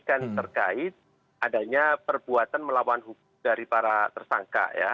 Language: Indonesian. dan terkait adanya perbuatan melawan hukum dari para tersangka ya